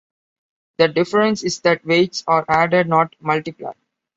The difference is that weights are added, not multiplied.